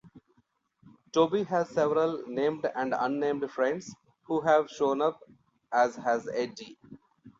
Toby has several named and unnamed friends who've shown up, as has Eddie.